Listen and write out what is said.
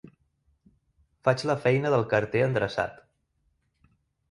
Faig la feina del carter endreçat.